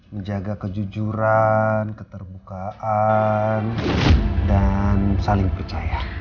menjaga kejujuran keterbukaan dan saling percaya